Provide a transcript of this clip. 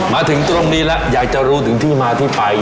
มาถึงตรงนี้แล้วอยากจะรู้ถึงที่มาที่ไป